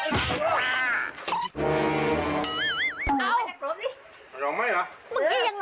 เมื่อกี้ยังร้องเจ๋งกันเศร้า